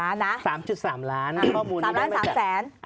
๓๓ล้านสามแสนนิดหนึ่ง